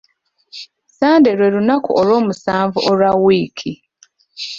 Ssande lwe lunaku olw'omusanvu olwa wiiki.